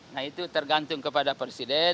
nah itu tergantung kepada presiden